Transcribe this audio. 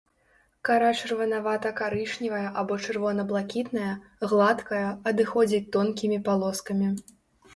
Кара чырванавата-карычневая або чырвона-блакітная, гладкая, адыходзіць тонкімі палоскамі.